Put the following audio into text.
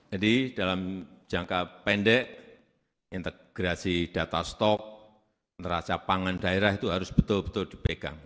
jadi dalam jangka pendek integrasi data stok neraja pangan daerah itu harus betul betul dipegang